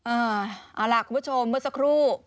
เอาล่ะคุณผู้ชมเมื่อสักครู่